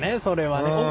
それはね。